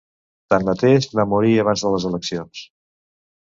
Tanmateix, va morir abans de les eleccions.